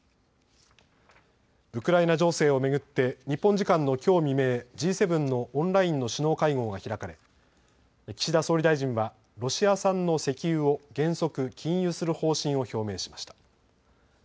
ウクライナ情勢を巡って日本時間のきょう未明、Ｇ７のオンラインの首脳会合が開かれ岸田総理大臣はロシア産の石油を原則禁輸する方針を表明しました。